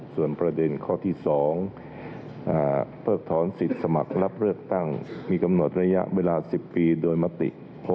ส่วนประเด็นข้อที่๒เพิกถอนสิทธิ์สมัครรับเลือกตั้งมีกำหนดระยะเวลา๑๐ปีโดยมติ๖๖